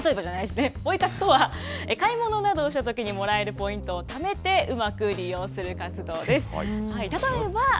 例えば、例えばじゃないですね、ポイ活とは、買い物などをしたときにもらえるポイントをためて、うまく利用する活動です。